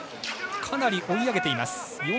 かなり追い上げています。